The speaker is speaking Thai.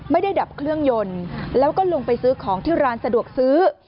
ดับเครื่องยนต์แล้วก็ลงไปซื้อของที่ร้านสะดวกซื้อ